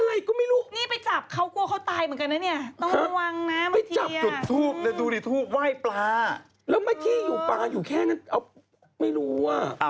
แล้วไม่ที่ปลาอยู่แค่นั้นเออไม่รู้อะ